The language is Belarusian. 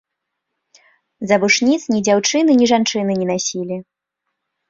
Завушніц ні дзяўчыны, ні жанчыны не насілі.